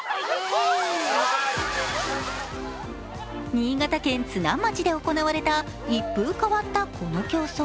新潟県津南町で行われた一風変わった、この競争。